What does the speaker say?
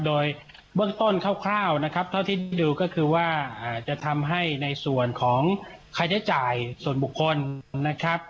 โดยเบื้องต้นคร่าวนะครับเท่าที่ดูก็คือว่าจะทำให้ในส่วนของค่าใช้จ่ายส่วนบุคคลนะครับ